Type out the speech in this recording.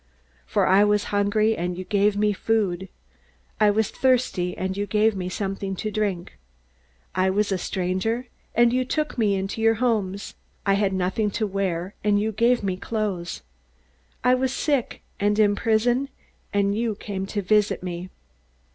For I was hungry, and you gave me food. I was thirsty, and you gave me something to drink. I was a stranger, and you took me into your homes. I had nothing to wear, and you gave me clothes. I was sick, and in prison, and you came to visit me!'